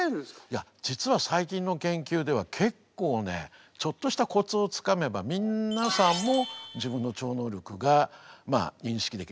いや実は最近の研究では結構ねちょっとしたコツをつかめば皆さんも自分の超能力が認識できる。